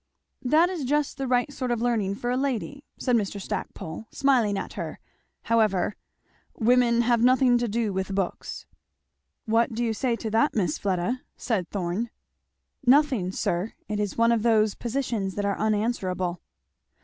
"That is just the right sort of learning for a lady," said Mr. Stackpole, smiling at her, however; "women have nothing to do with books." "What do you say to that, Miss Fleda?" said Thorn. "Nothing, sir; it is one of those positions that are unanswerable."